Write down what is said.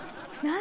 何？